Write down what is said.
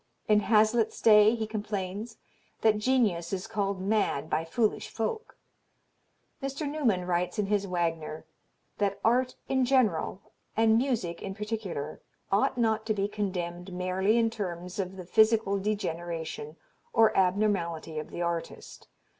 In Hazlitt's day he complains, that genius is called mad by foolish folk. Mr. Newman writes in his Wagner, that "art in general, and music in particular, ought not to be condemned merely in terms of the physical degeneration or abnormality of the artist.